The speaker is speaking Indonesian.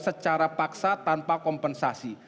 secara paksa tanpa kompensasi